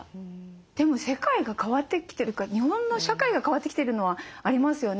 でも世界が変わってきてるから日本の社会が変わってきてるのはありますよね。